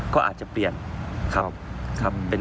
ก็อาจจะเปลี่ยนครับ